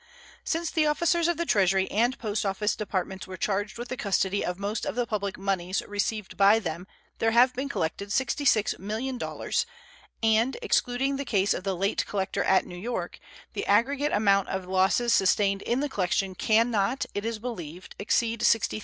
Since the officers of the Treasury and Post Office Departments were charged with the custody of most of the public moneys received by them there have been collected $66,000,000, and, excluding the case of the late collector at New York, the aggregate amount of losses sustained in the collection can not, it is believed, exceed $60,000.